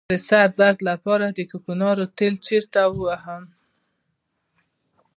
د سر درد لپاره د کوکنارو تېل چیرته ووهم؟